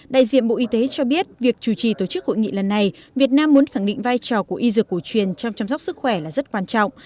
đại diện bộ y tế cho biết việc chủ trì tổ chức hội nghị lần này việt nam muốn khẳng định vai trò của y dược cổ truyền trong chăm sóc sức khỏe là rất quan trọng